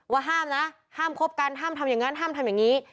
ว่าห้ามนะห้ามคบกันห้ามทำอย่างนั้นห้ามทำอย่างนี้